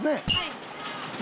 はい。